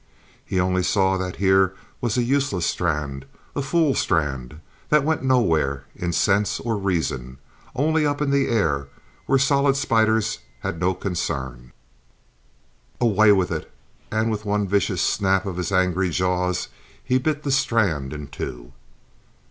He saw only that here was a useless strand, a fool strand, that went nowhere in sense or reason, only up in the air where solid spiders had no concern.... "Away with it!" and with one vicious snap of his angry jaws he bit the strand in two.